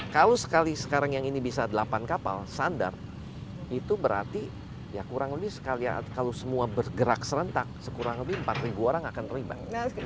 kalau sekali sekarang yang ini bisa delapan kapal sandar itu berarti ya kurang lebih kalau semua bergerak serentak sekurang lebih empat orang akan terlibat